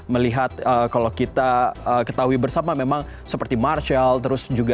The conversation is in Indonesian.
melihat kalau kita ketahui bersama memang seperti marshall